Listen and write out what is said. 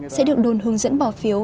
sẽ được đồn hướng dẫn bỏ phiếu